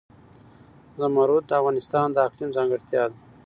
زمرد د افغانستان د اقلیم ځانګړتیا ده.